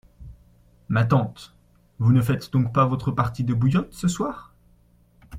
Ma tante, vous ne faites donc pas votre partie de bouillotte ce soir ?